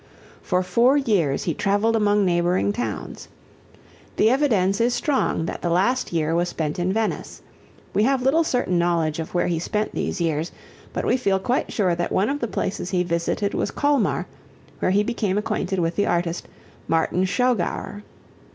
For four years he traveled among neighboring towns. The evidence is strong that the last year was spent in Venice. We have little certain knowledge of where he spent these years but we feel quite sure that one of the places he visited was Colmar, where he became acquainted with the artist, Martin Schougauer.